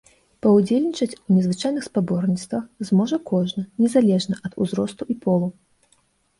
Паўдзельнічаць у незвычайных спаборніцтвах зможа кожны, незалежна ад узросту і полу.